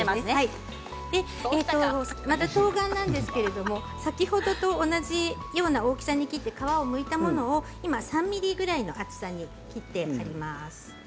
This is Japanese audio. とうがんは先ほどと同じような大きさに切って皮をむいたものを３ｍｍぐらいの幅に切ってあります。